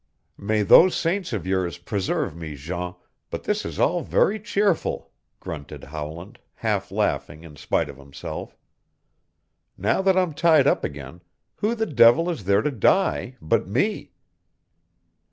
"May those saints of yours preserve me, Jean, but this is all very cheerful!" grunted Howland, half laughing in spite of himself. "Now that I'm tied up again, who the devil is there to die but me?"